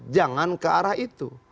jangan ke arah itu